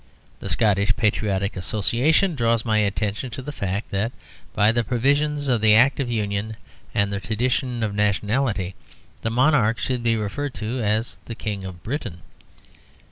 The Scottish Patriotic Association draws my attention to the fact that by the provisions of the Act of Union, and the tradition of nationality, the monarch should be referred to as the King of Britain.